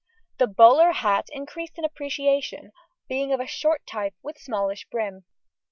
The bowler hat increased in appreciation, being of a short type, with smallish brim.